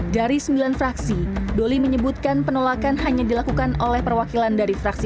dari sembilan fraksi doli menyebutkan penolakan hanya dilakukan oleh perwakilan dari fraksi